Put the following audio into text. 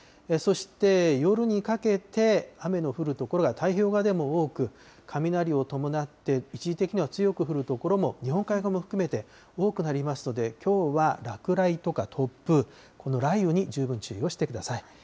そして、夜にかけて、雨の降る所が太平洋側でも多く、雷を伴って一時的には強く降る所も、日本海側も含めて多くなりますので、きょうは落雷とか突風、この雷雨に十分注意をしてください。